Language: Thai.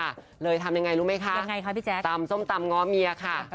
ชักจะทำยังไงรู้ไหมคะตำส้มตำง้อเมียค่ะ